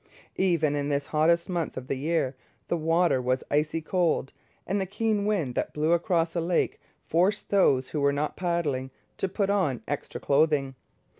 Even in this hottest month of the year the water was icy cold, and the keen wind that blew across the lake forced those who were not paddling to put on extra clothing.